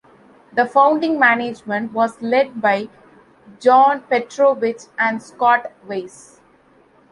The founding management was led by Jon Petrovich and Scott Weiss.